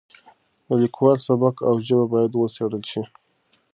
د لیکوالو سبک او ژبه باید وڅېړل شي.